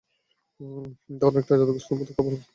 আমি তা অনেকটা যাদুগ্রস্তের মতোই খুব অল্প সময়েই পড়ে ফেললাম।